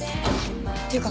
っていうか